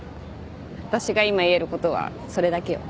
私が今言えることはそれだけよ。